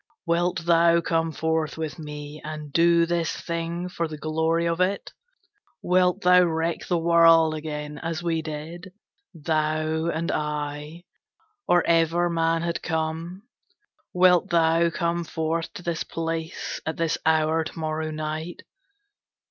Wilt thou come forth with me and do this thing for the glory of it? Wilt thou wreck the world again as we did, thou and I, or ever Man had come? Wilt thou come forth to this place at this hour tomorrow night?'